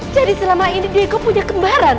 jadi selama ini diego punya kembaran